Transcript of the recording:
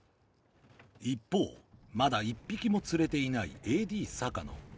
一方まだ１匹も釣れていないＡＤ坂野